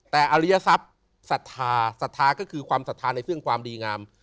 แต่อริยศัพย์ศรัทธาศรัทธาก็คือความศรัทธาในเรื่องความดีงาม